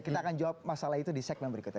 kita akan jawab masalah itu di segmen berikutnya